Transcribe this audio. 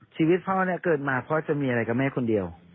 ชีวิตพ่อเนี่ยเกิดมาพ่อจะมีอะไรกับแม่คนเดียว